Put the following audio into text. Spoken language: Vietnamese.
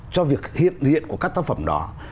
cho việc hiện diện của các tác phẩm đó